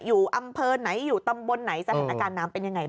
อยู่อำเภอไหนอยู่ตำบลไหนสถานการณ์น้ำเป็นยังไงบ้าง